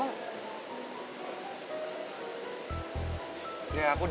ya aku cuma denger denger aja ya